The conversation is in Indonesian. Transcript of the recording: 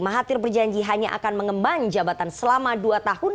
mahathir berjanji hanya akan mengemban jabatan selama dua tahun